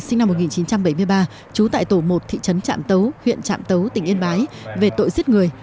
sinh năm một nghìn chín trăm bảy mươi ba trú tại tổ một thị trấn trạm tấu huyện trạm tấu tỉnh yên bái về tội giết người